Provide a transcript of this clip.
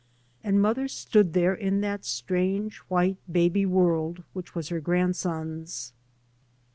And mother stood there in that strange white baby world which was her grandson's.